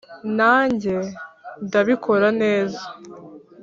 nanjye ndabikora neza.